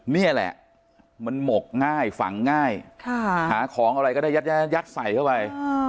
นี่แหละมันหมกง่ายฝังง่ายหาของอะไรก็ได้ยัดใส่เข้าไป